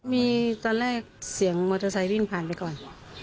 มีตอนแรกเสียงมอเตอร์ไซค์วิ่งผ่านไปก่อน